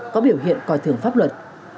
có biểu hiện coi thường pháp luật